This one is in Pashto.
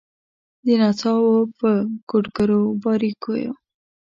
د نڅاوو په کوډګرو باریکېو